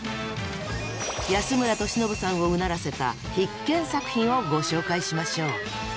安村敏信さんをうならせた必見作品をご紹介しましょう。